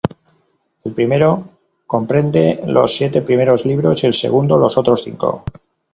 El primero comprende los siete primeros libros, y el segundo los otros cinco.